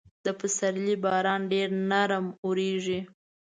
د پسرلي باران ډېر نرم اورېږي.